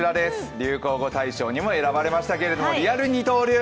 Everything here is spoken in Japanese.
流行語大賞にも選ばれましたけれども、リアル二冬流。